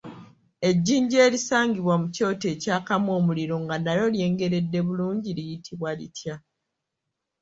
Ejjinja erisangibwa mu kyoto ekyakamu omuliro nga n'alyo lyengeredde bulungi liyitibwa litya?